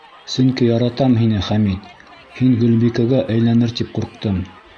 Сөнки яратам һине, Хәмит, һин Гөлбикәгә әйләнер тип ҡурҡтым.